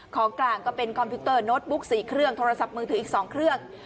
ของกลางก็เป็นคอมพิวเตอร์โน้ตบุ๊ก๔เครื่องโทรศัพท์มือถืออีก๒เครื่อง